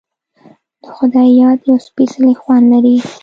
د خدای یاد یو سپیڅلی خوند لري.